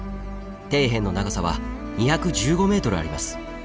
底辺の長さは２１５ｍあります。